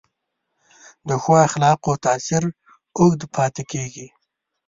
د ښو اخلاقو تاثیر اوږد پاتې کېږي.